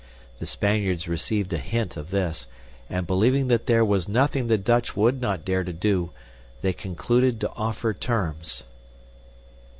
The Spaniards received a hint of this, and believing that there was nothing the Dutch would not dare to do, they concluded to offer terms."